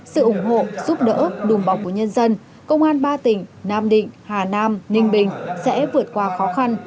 sự ủng hộ giúp đỡ đùm bọc của nhân dân công an ba tỉnh nam định hà nam ninh bình sẽ vượt qua khó khăn